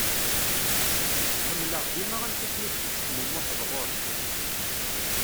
Ḥemmleɣ dima amek akken i d-tettecmumuḥeḍ ɣur-i.